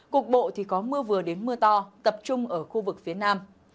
cục bộ thì có mưa vừa đến mưa to tập trung ở khu vực phía nam